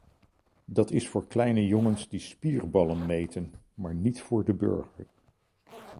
Dat is voor kleine jongens die spierballen meten, maar niet voor de burger.